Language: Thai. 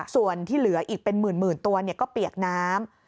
ส่วนที่เหลืออีกเป็นหมื่นตัวก็เปียกน้ำ